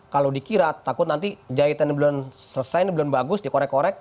kalau dikira takut nanti jahitan belum selesai ini belum bagus dikorek korek